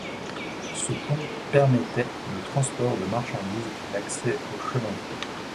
Ce pont permettait le transport de marchandises et l'accès au chemin de fer.